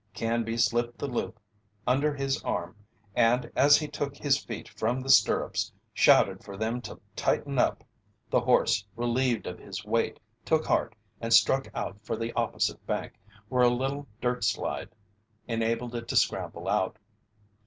Canby slipped the loop under his arm and, as he took his feet from the stirrups, shouted for them to tighten up. The horse, relieved of his weight, took heart and struck out for the opposite bank, where a little dirt slide enabled it to scramble out.